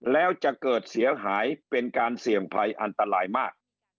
แล้วจะเกิดเสียหายเป็นการเสี่ยงภัยอันตรายมาก